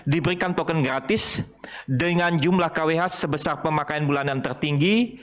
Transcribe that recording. diberikan token gratis dengan jumlah kwh sebesar pemakaian bulanan tertinggi